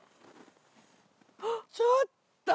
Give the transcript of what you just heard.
ちょっと！